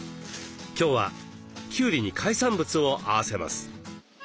今日はきゅうりに海産物を合わせます。